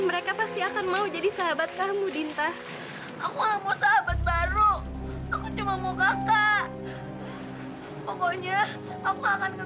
sampai jumpa di video selanjutnya